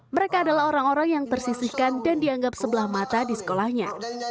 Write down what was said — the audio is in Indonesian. mereka adalah orang orang yang tersisihkan dan dianggap sebelah mata di sekolahnya